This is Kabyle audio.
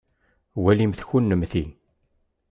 Walimt kunemti.